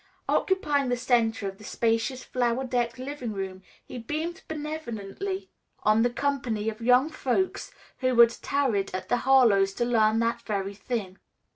Occupying the center of the spacious flower decked living room he beamed benevolently on the company of young folks who had tarried at the Harlowes' to learn that very thing.